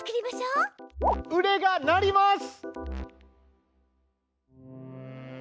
うでがなります！